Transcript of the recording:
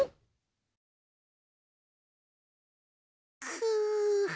くう！